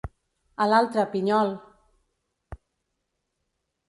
A l'altre, pinyol!